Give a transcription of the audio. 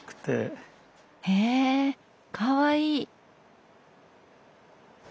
へえかわいい。